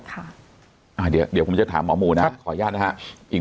ค่ะอ่าเดี๋ยวเดี๋ยวผมจะถามหมอหมู่นะขอย่านะคะอีก